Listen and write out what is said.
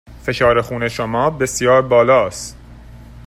فشار خون شما بسیار بالا است.